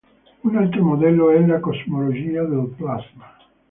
Un altro modello è la cosmologia del plasma.